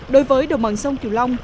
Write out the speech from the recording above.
đối với đồng bằng sông tiểu long